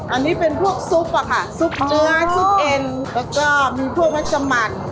อันนี้เป็นพวกซุปอะค่ะซุปเนื้อซุปเอ็นแล้วก็มีพวกวัชมัน